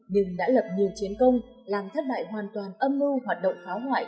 nhưng đã lập nhiều chiến công làm thất bại hoàn toàn âm mưu hoạt động phá hoại